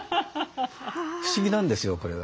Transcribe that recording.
不思議なんですよこれが。